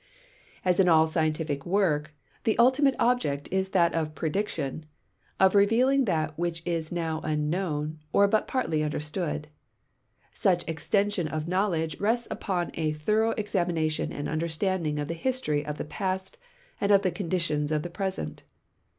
As in all scientific work, the ultimate object is that of prediction, of revealing that Avhich is now unknown or but partly under stood. Such extension of knowledge rests ui)on a thorough ex amination and understanding of the history of the ]>ast and of the conditicjns in the present.